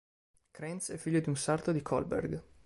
Krenz è figlio di un sarto di Kolberg.